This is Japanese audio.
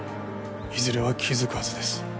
いずれは気づくはずです